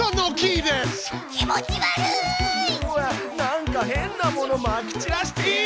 なんか変なものまき散らしているよ！